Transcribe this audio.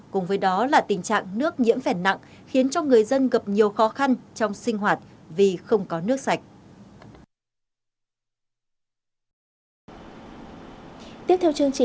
cùng với đó là tình trạng nước nhiễm phèn nặng khiến cho người dân gặp nhiều khó khăn trong sinh hoạt vì không có nước sạch